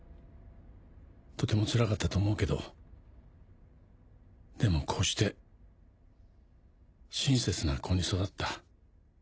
とてもつらかったと思うけどでもこうして親切な子に育った。